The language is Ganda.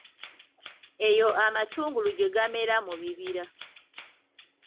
Eyo amatungulu gye gamera mu bibira.